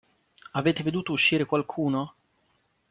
Avete veduto uscire qualcuno?